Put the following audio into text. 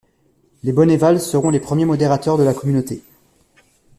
Les Bonneval seront les premiers modérateurs de la Communauté.